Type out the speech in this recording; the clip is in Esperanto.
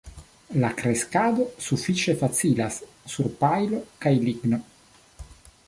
La kreskado sufiĉe facilas sur pajlo kaj ligno.